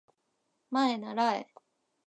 まえならえ